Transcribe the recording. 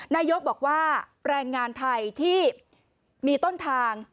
นายกบอกว่าแรงงานไทยที่มีต้นทาง